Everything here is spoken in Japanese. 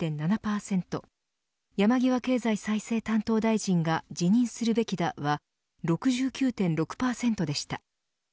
山際経済再生担当大臣が辞任するべきだは６９．６％でした。